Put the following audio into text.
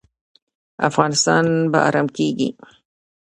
افغانستان به ارام کیږي